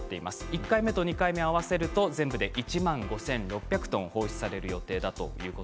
１回目と２回目を合わせると全部で１万５６００トン放出される予定です。